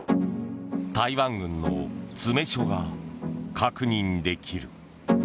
台湾軍の詰め所が確認できる。